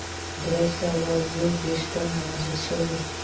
دری سوه یو دېرش تنه وژل شوي.